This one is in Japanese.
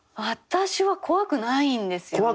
私は怖くないんですよね。